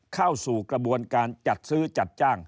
เข้าสู่กระบวนการจัดซื้อจัดจ้าง